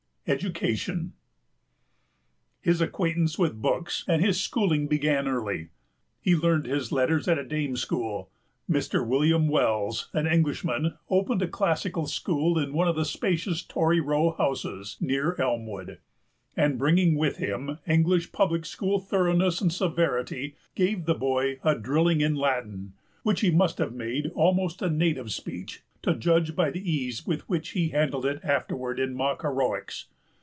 EDUCATION. His acquaintance with books and his schooling began early. He learned his letters at a dame school. Mr. William Wells, an Englishman, opened a classical school in one of the spacious Tory Row houses near Elmwood, and, bringing with him English public school thoroughness and severity, gave the boy a drilling in Latin, which he must have made almost a native speech to judge by the ease with which he handled it afterward in mock heroics.